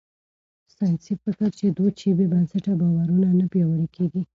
ساينسي فکر چې دود شي، بې بنسټه باورونه نه پياوړي کېږي.